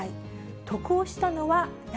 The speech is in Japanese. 得をしたのは誰？